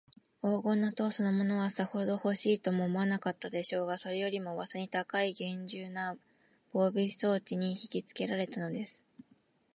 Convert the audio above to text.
黄金の塔そのものは、さほどほしいとも思わなかったでしょうが、それよりも、うわさに高いげんじゅうな防備装置にひきつけられたのです。